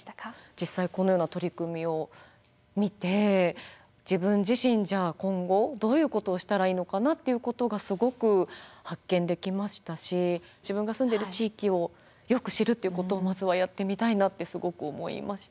実際このような取り組みを見て自分自身じゃあ今後どういうことをしたらいいのかなっていうことがすごく発見できましたし自分が住んでる地域をよく知るということをまずはやってみたいなってすごく思いました。